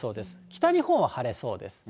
北日本は晴れそうです。